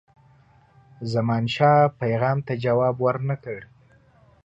زمانشاه پیغام ته جواب ورنه کړ.